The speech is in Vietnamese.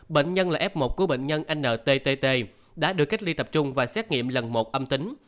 bệnh nhân là f một của bệnh nhân ntt đã được cách ly tập trung và xét nghiệm lần một âm tính